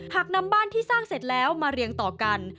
หากนำบ้านที่สร้างเสร็จแล้วมาเรียงต่อกัน